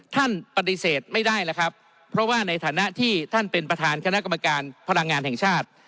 ท่านปฏิเสธไม่ได้แล้วครับเพราะว่าในฐานะที่ท่านเป็นประธานคณะกรรมการพลังงานแห่งชาติ